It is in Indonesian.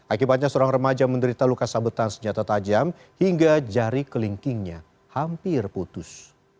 akibatnya seorang remaja menderita luka sabetan senjata tajam hingga jari kelingkingnya hampir putus